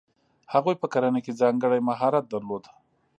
هغوی په کرنه کې ځانګړی مهارت درلود.